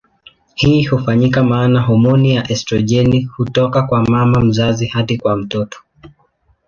Hii hufanyika maana homoni ya estrojeni hutoka kwa mama mzazi hadi kwa mtoto.